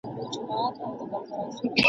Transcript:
جګړه په خپرېدو وه.